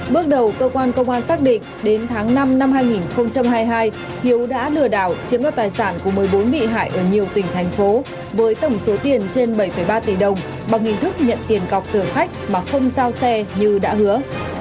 bước đầu cơ quan công an xác định đến tháng năm năm hai nghìn hai mươi hai hiếu đã lừa đảo chiếm đoạt tài sản của một mươi bốn bị hại ở nhiều tỉnh thành phố với tổng số tiền trên bảy ba tỷ đồng bằng hình thức nhận tiền cọc tưởng khách mà không giao xe như đã hứa